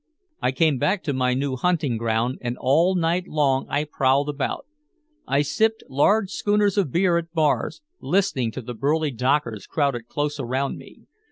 I came back to my new hunting ground and all night long I prowled about. I sipped large schooners of beer at bars, listening to the burly dockers crowded close around me.